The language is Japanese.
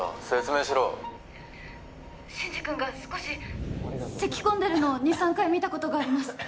説明しろ真司君が少しせきこんでるのを２３回見たことがあります